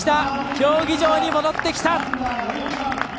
競技場に戻ってきた！